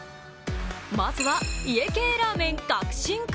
まずは家系ラーメン革新家